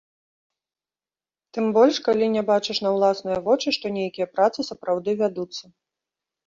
Тым больш, калі не бачыш на ўласныя вочы, што нейкія працы сапраўды вядуцца.